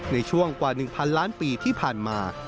ในช่วงกว่า๑๐๐ล้านปีที่ผ่านมา